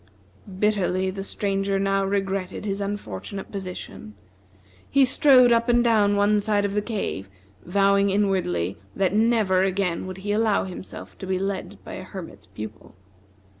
Bitterly the Stranger now regretted his unfortunate position. He strode up and down one side of the cave, vowing inwardly that never again would he allow himself to be led by a Hermit's Pupil.